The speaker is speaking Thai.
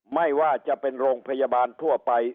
ไม่ว่าจะเป็นโรงพยาบาลทั่วไป